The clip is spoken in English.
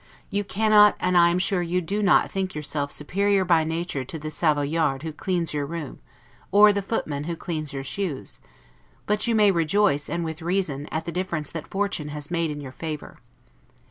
You cannot, and I am sure you do not think yourself superior by nature to the Savoyard who cleans your room, or the footman who cleans your shoes; but you may rejoice, and with reason, at the difference that fortune has made in your favor.